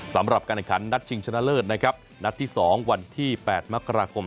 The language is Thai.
สำหรับการแข่งขันนัดชิงชนะเลิศนะครับนัดที่๒วันที่๘มกราคม